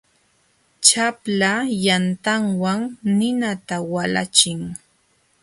Chapla yantawan ninata walachiy.